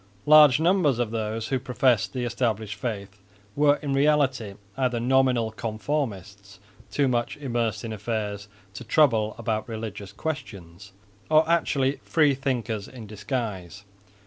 Large numbers of those who professed the established faith were in reality either nominal conformists too much immersed in affairs to trouble about religious questions, or actually free thinkers in disguise.